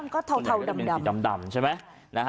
ก็เทาดำใช่ไหม